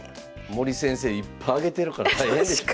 森先生いっぱいあげてるから大変でしょうね。